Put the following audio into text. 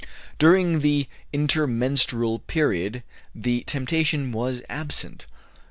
During the intermenstrual period the temptation was absent.